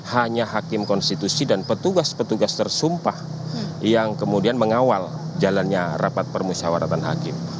hanya hakim konstitusi dan petugas petugas tersumpah yang kemudian mengawal jalannya rapat permusyawaratan hakim